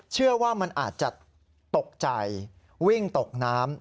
เชื่อว่ามันอาจจะตกใจวิ่งตกน้ำ